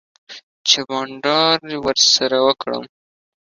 چی بانډار ورسره وکړم